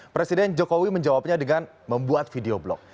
presiden jokowi menjawabnya dengan membuat video blog